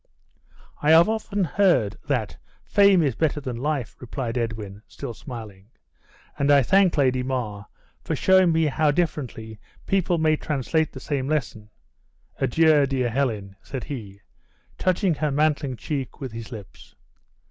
"I have often heard that 'Fame is better than life!'" replied Edwin, still smiling; "and I thank Lady mar for showing me how differently people may translate the same lesson. Adieu, dear Helen!" said he, touching her mantling cheek with his lips.